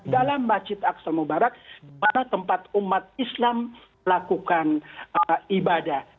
dalam masjid aqsa mubarak pada tempat umat islam melakukan ibadah